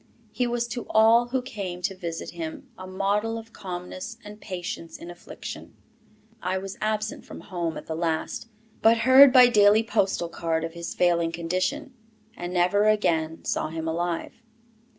He was to all who came to visit him a model of calmness and patience in affliction. I was absent from home at the last, but heard by daily postal card of his failing condition; and never again saw him alive.